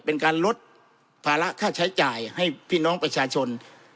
เป็นการลดภาระค่าใช้จ่ายให้พี่น้องประชาชน